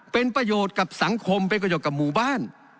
เป็นประโยชน์กับสังคมเป็นประโยชน์กับหมู่บ้าน